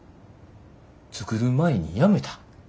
作る前に辞めた。